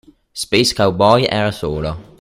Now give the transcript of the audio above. Space Cowboy era solo.